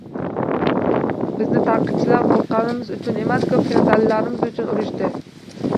Bizni tanqidchilar qo’rqqanimiz uchun emas, ko’pincha dadilligimiz uchun urishdi.